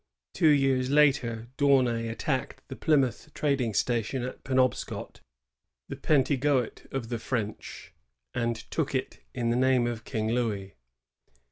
^ Two years later D'Aunay attacked the Plymouth trading station at Penobscot, the Pentegoet of the French, and took it in the name of King Louis.